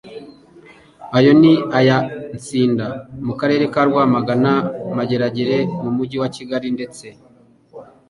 Ayo ni iya Nsinda mu karere ka Rwamagana, Mageragere mu mujyi wa Kigali ndetse